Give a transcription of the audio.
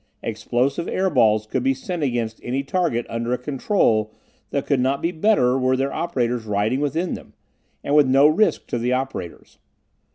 Explosive air balls could be sent against any target under a control that could not be better were their operators riding within them, and with no risk to the operators.